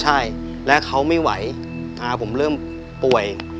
ใช่และเขาไม่ไหวตาผมเริ่มป่วย